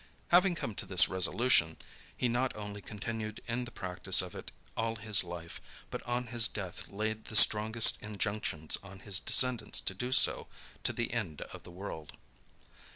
Having come to this resolution, he not only continued in the practice of it all his life, but on his death laid the strongest injunctions on his descendants to do so, to the end of the world."